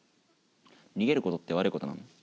逃げることって悪いことなの？